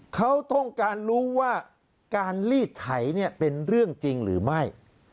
เขาต้องการรู้ว่าการลีดไถเป็นเรื่องจริงหรือไม่